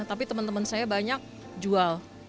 tapi temen temen saya banyak jual